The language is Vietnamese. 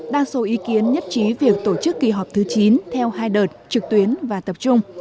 đa số ý kiến nhất trí việc tổ chức kỳ họp thứ chín theo hai đợt trực tuyến và tập trung